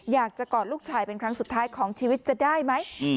อยากจะกอดลูกชายเป็นครั้งสุดท้ายของชีวิตจะได้ไหม